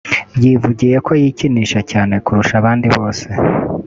yivugiye ko yikinisha cyane kurusha abandi bose